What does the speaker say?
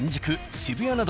渋谷など。